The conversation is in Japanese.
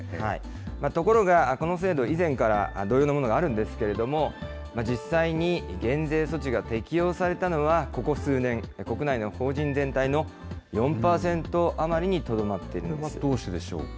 ところが、この制度、以前から同様のものがあるんですけれども、実際に減税措置が適用されたのはここ数年、国内の法人全体のそれはどうしてでしょうか。